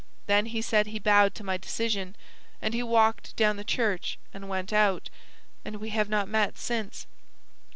Then he said he bowed to my decision, and he walked down the church and went out, and we have not met since."